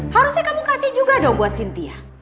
harusnya kamu kasih juga dong buat cynthia